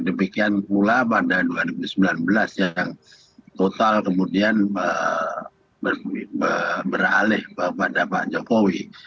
demikian pula pada dua ribu sembilan belas yang total kemudian beralih kepada pak jokowi